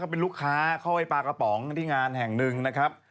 เป็นลูกค้าเข้าไปปลากระป๋องที่งานแห่งหนึ่งนะครับ